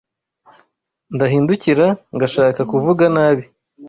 Ndahindukira ngashaka kuvuga nabi